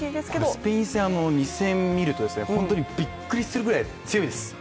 スペイン戦、２戦見ると、本当にびっくりするぐらい強いです。